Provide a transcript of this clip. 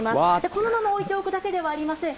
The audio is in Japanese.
このまま置いておくだけではありません。